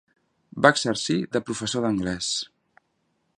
Va exercir de professor d'anglès.